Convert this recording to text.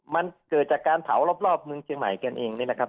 มันเกิดจากการเผารอบเมืองเชียงใหม่กันเองนี่นะครับ